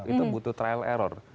itu butuh trial error